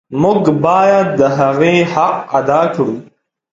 موږ باید د هغې حق ادا کړو.